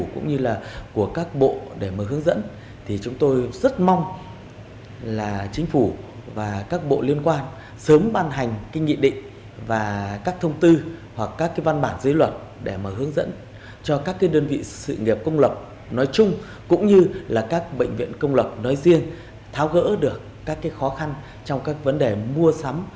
cũng như là các bệnh viện công lập nói riêng tháo gỡ được các khó khăn trong các vấn đề mua sắm